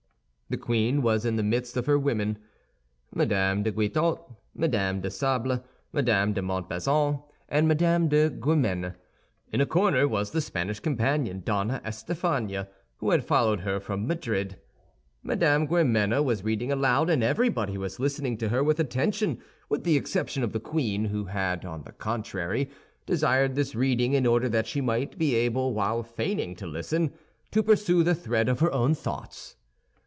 The queen was in the midst of her women—Mme. de Guitaut, Mme. de Sable, Mme. de Montbazon, and Mme. de Guémené. In a corner was the Spanish companion, Donna Estafania, who had followed her from Madrid. Mme. Guémené was reading aloud, and everybody was listening to her with attention with the exception of the queen, who had, on the contrary, desired this reading in order that she might be able, while feigning to listen, to pursue the thread of her own thoughts.